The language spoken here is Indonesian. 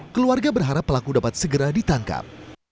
keluarga berharap pelaku dapat segera ditangkap